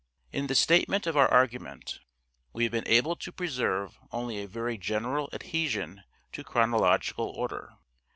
In the statement of our argument we have been able to preserve only a very general adhesion to chronological order.